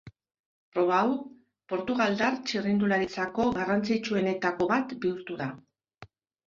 Proba hau, portugaldar txirrindularitzako garrantzitsuenetako bat bihurtu da.